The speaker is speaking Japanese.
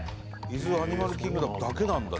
伊豆アニマルキングダムだけなんだ